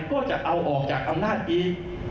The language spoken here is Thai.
ก็จะเอาออกจากอำนาจอีก